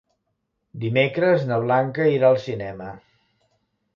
Dimecres na Blanca irà al cinema.